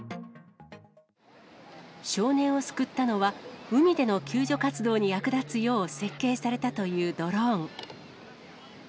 少年を救ったのは、海での救助活動に役立つよう設計されたというドローン。